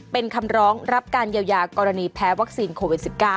เป็นคำร้องรับการเยียวยากรณีแพ้วัคซีนโควิด๑๙